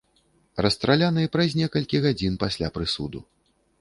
Расстраляны праз некалькі гадзін пасля прысуду.